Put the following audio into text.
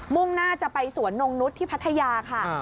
่งหน้าจะไปสวนนงนุษย์ที่พัทยาค่ะ